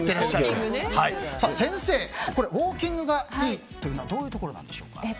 先生、ウォーキングがいいというのはどういうところなんでしょうか。